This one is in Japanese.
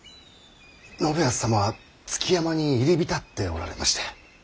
信康様は築山に入り浸っておられまして。